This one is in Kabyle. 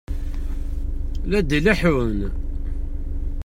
La d-ileḥḥun.